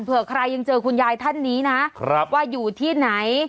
เผื่อใครยังเจอคุณยายท่านนี้นะว่าอยู่ที่ไหน